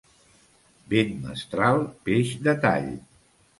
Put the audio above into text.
Vent mestral, peix de tall.